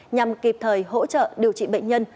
nhằm kịp thời hỗ trợ điều trị bệnh nhân